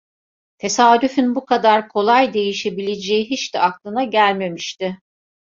Tesadüfün bu kadar kolay değişebileceği hiç de aklına gelmemişti.